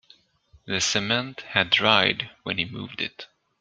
The cement had dried when he moved it.